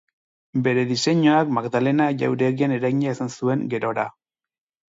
Bere diseinuak Magdalena jauregian eragina izan zuen gerora.